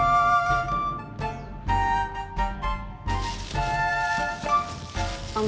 siapa sih bang